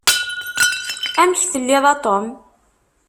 Amek telliḍ a Tom?